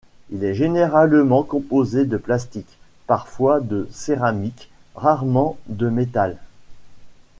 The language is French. Il est généralement composé de plastique, parfois de céramique, rarement de métal.